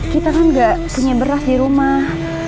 kita kan gak punya beras di rumah